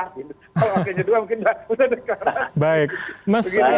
kalau wakilnya dua mungkin jelas jelas